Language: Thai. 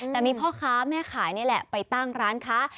แต่มีพ่อค้าแม่ขายนี่แหละไปตั้งร้านค้า